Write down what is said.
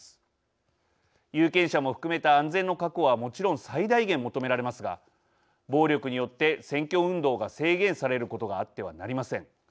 有権者も含めた安全の確保はもちろん最大限求められますが暴力によって選挙運動が制限されることがあってはなりません。